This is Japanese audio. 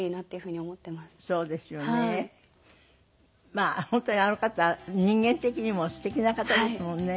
まあ本当にあの方は人間的にも素敵な方ですもんね。